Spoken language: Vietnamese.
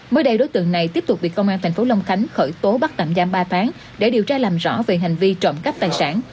mới đây đối tượng này tiếp tục bị công an tp long khánh khởi tố bắt tạm giam ba tháng để điều tra làm rõ về hành vi trộm cắp tài sản